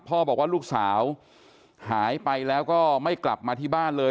บอกว่าลูกสาวหายไปแล้วก็ไม่กลับมาที่บ้านเลย